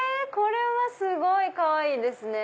すごいかわいいですね。